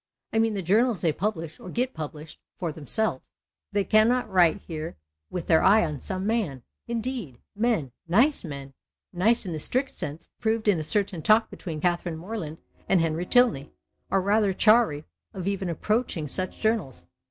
I mean the journals they publisli, or get published, for themselves. They cannot write here with their eye on some man. Indeed, men, nice men (" nice " in the strict sense, approved in a certain talk between Catherine Morland and Henry Tilney), are rather chary of even approaching such journals.